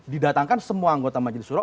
didatangkan semua anggota majelis suro